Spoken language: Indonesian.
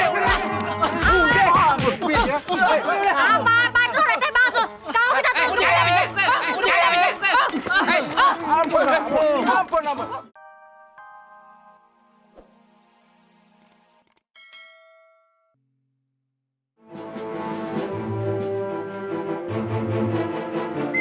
udah lo gak mau sebanyak kicong